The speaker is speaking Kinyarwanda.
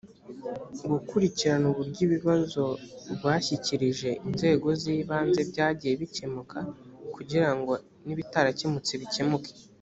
gukurikirana uburyo ibibazo rwashyikirije inzego z’ibanze byagiye bikemuka kugira ngo n’ibitarakemutse bikemuke